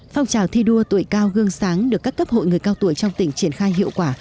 phong trào thi đua tuổi cao gương sáng được các cấp hội người cao tuổi trong tỉnh triển khai hiệu quả